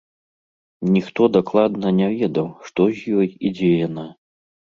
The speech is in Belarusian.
Ніхто дакладна не ведаў, што з ёй і дзе яна.